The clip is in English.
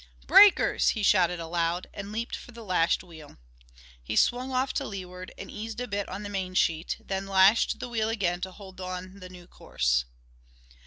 "Breakers!" he shouted aloud and leaped for the lashed wheel. He swung off to leeward and eased a bit on the main sheet, then lashed the wheel again to hold on the new course.